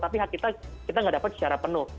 tapi hak kita kita tidak dapat secara penuh